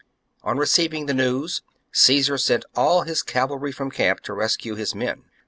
On receiving the news, Caesar sent all his cavalry from camp to rescue his men.